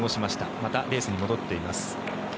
またレースに戻っています。